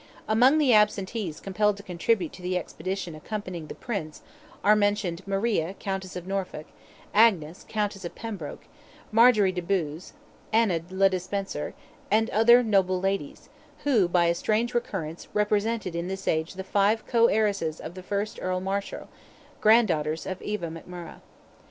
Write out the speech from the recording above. Among the absentees compelled to contribute to the expedition accompanying the Prince, are mentioned Maria, Countess of Norfolk, Agnes, Countess of Pembroke, Margery de Boos, Anna le Despenser, and other noble ladies, who, by a strange recurrence, represented in this age the five co heiresses of the first Earl Marshal, granddaughters of Eva McMurrogh.